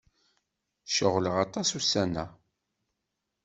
Ceɣleɣ aṭas ussan-a.